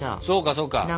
そうかそうか。